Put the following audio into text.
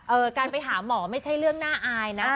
การไปหาหมอไม่ใช่เรื่องน่าอายนะ